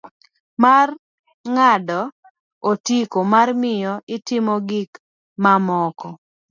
Mar ng'ado otiko ma miyo itimo gik mamoko.